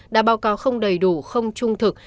đã báo cáo không đầy đủ không trung thực